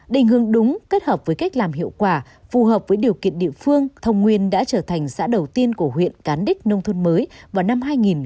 đình hướng đúng kết hợp với cách làm hiệu quả phù hợp với điều kiện địa phương thông nguyên đã trở thành xã đầu tiên của huyện cán đích nông thôn mới vào năm hai nghìn hai mươi